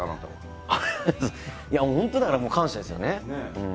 本当だからもう感謝ですよね。